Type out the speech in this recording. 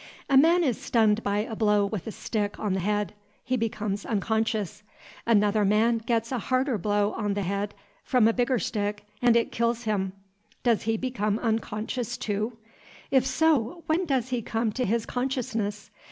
A man is stunned by a blow with a stick on the head. He becomes unconscious. Another man gets a harder blow on the head from a bigger stick, and it kills him. Does he become unconscious, too? If so, when does he come to his consciousness?